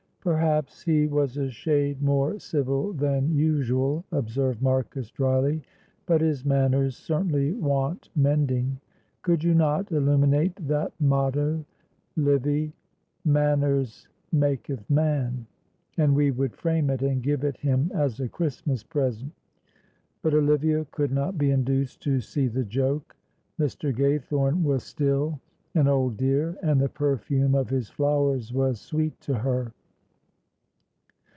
"Perhaps he was a shade more civil than usual," observed Marcus, dryly, "but his manners certainly want mending. Could you not illuminate that motto, Livy, 'Manners makyth man?' and we would frame it, and give it him as a Christmas present." But Olivia could not be induced to see the joke; Mr. Gaythorne was still an old dear, and the perfume of his flowers was sweet to her.